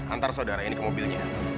antar saudara ini ke mobilnya